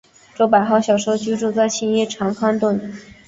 周柏豪小时候居住在青衣长康邨。